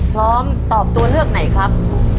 พร้อมตอบตัวเลือกไหนครับ